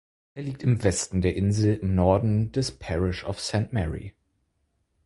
Er liegt im Westen der Insel im Norden des Parish of Saint Mary.